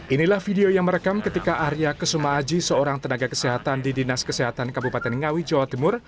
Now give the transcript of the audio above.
inilah video yang merekam ketika arya kesuma aji seorang tenaga kesehatan di dinas kesehatan kabupaten ngawi jawa timur